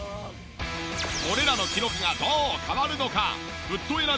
これらの記録がどう変わるのか？